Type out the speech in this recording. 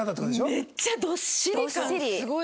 めっちゃどっしり感すごい。